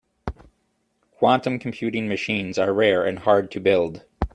Quantum computing machines are rare and hard to build.